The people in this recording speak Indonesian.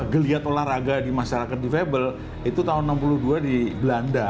geliat olahraga di masyarakat di febel itu tahun enam puluh dua di belanda